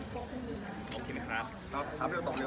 โปรเปครับ